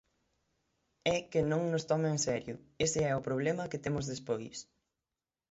É que non nos toma en serio, ese é o problema que temos despois.